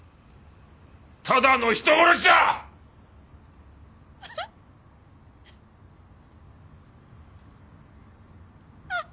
ただの人殺しだ！あっ。